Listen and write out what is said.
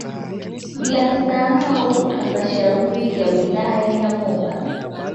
Bila kusahau halmashauri ya wilaya ya Momba